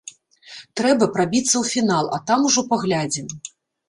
Трэба прабіцца ў фінал, а там ужо паглядзім.